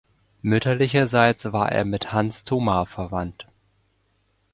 Mütterlicherseits war er mit Hans Thoma verwandt.